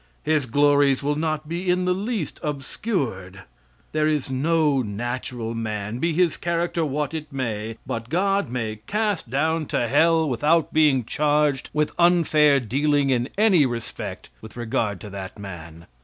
His glories will not be in the least obscured there is no natural man, be his character what it may, but God may cast down to hell without being charged with unfair dealing in any respect with regard to that man.